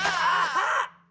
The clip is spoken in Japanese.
あっ！